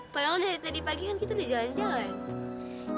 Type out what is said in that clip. padahal dari tadi pagi kan kita udah jalan jalan